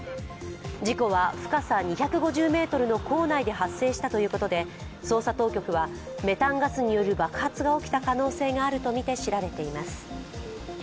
事故は深さ２５０ｍの坑内で発生したということで、捜査当局はメタンガスによる爆発が起きた可能性があるとみて調べています。